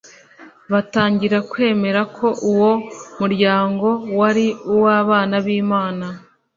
batangira kwemera ko uwo muryango wari uw'abana b'imana